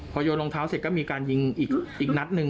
พอโยนรองเท้าเสร็จก็มีการยิงอีกนัดหนึ่ง